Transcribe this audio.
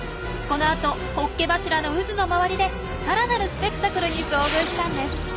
このあとホッケ柱の渦の周りでさらなるスペクタクルに遭遇したんです！